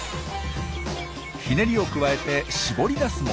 ひねりを加えて絞り出すものも。